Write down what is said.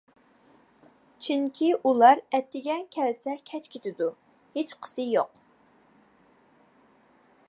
چۈنكى ئۇلار ئەتىگەن كەلسە كەچ كېتىدۇ، ھېچقىسى يوق.